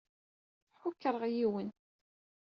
Ḥukṛeɣ yiwen.